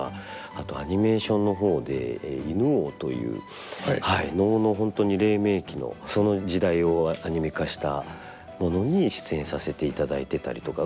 あとアニメーションの方で「犬王」という能の本当に黎明期のその時代をアニメ化したものに出演させていただいてたりとか。